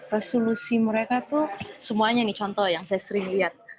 resolusi mereka tuh semuanya nih contoh yang saya sering lihat